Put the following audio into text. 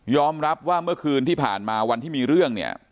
รับว่าเมื่อคืนที่ผ่านมาวันที่มีเรื่องเนี่ย